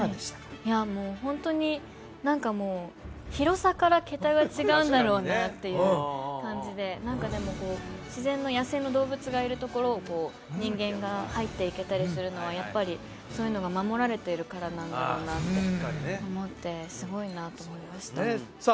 いやもうホントに何かもう広さから桁が違うんだろうなっていう感じで何かでもこう自然の野生の動物がいるところを人間が入っていけたりするのはやっぱりそういうのが守られてるからなんだろうなって思ってすごいなと思いましたそうですねさあ